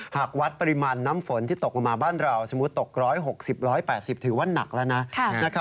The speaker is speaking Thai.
หากวัดปริมาณน้ำฝนที่ตกลงมาบ้านเราสมมุติตก๑๖๐๑๘๐ถือว่าหนักแล้วนะ